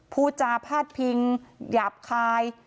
พูดจาพาดพิงหยาบคาย